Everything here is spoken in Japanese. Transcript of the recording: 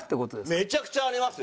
めちゃくちゃありますよ。